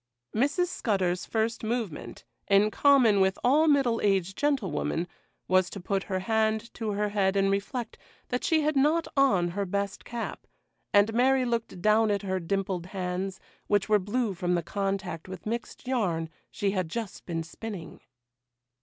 Mrs. Scudder's first movement, in common with all middle aged gentlewomen, was to put her hand to her head and reflect that she had not on her best cap; and Mary looked down at her dimpled hands, which were blue from the contact with mixed yarn she had just been spinning.